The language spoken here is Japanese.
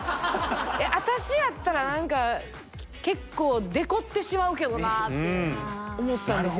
私やったら何か結構デコってしまうけどなと思ったんですよ。